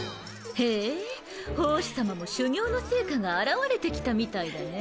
へえ法師様も修行の成果が現れてきたみたいだね。